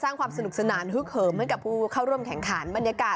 สร้างความสนุกสนานฮึ่คเหมือนกับผู้เข้าร่มแข่งขัน